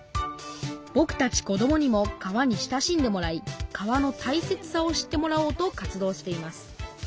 ぼくたち子どもにも川に親しんでもらい川のたいせつさを知ってもらおうと活動しています。